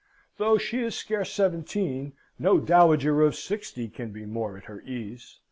Though she is scarce seventeen, no dowager of sixty can be more at her ease.